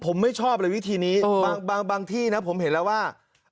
ผมไม่ชอบเลยวิธีนี้บางที่นะผมเห็นแล้วว่า